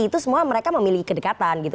itu semua mereka memiliki kedekatan gitu